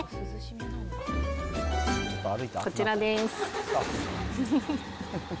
こちらです。